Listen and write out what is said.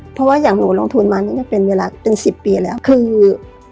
เพราะว่าอย่างหนูลงทุนมานี่เป็นเวลาเป็น๑๐ปีแล้วคือ